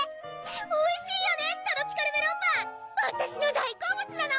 おいしいよね「トロピカルメロンパン」わたしの大好物なの！